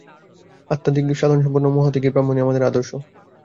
আধ্যাত্মিক-সাধনসম্পন্ন ও মহাত্যাগী ব্রাহ্মণই আমাদের আদর্শ।